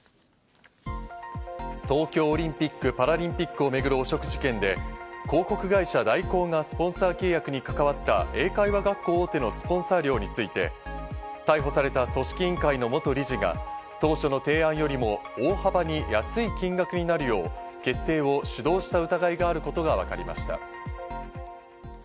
東京オリンピック・パラリンピックを巡る汚職事件で、広告会社・大広がスポンサー契約に関わった、英会話学校大手のスポンサー料について、逮捕された組織委員会の元理事が、当初の提案よりも大幅に安い金額になるよう、決定を主導した疑いがあることがわかりました。